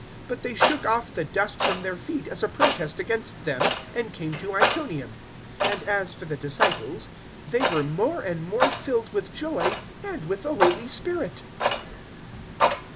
013:051 But they shook off the dust from their feet as a protest against them and came to Iconium; 013:052 and as for the disciples, they were more and more filled with joy and with the Holy Spirit.